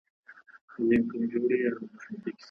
سابه د بدن بوی ښه کوي.